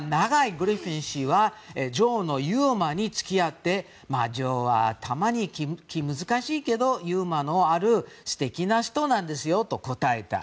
グリフィン氏は女王のユーモアに付き合って女王はたまに気難しいけどユーモアのある素敵な人なんですよと答えた。